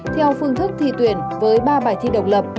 theo phương thức thi tuyển với ba bài thi độc lập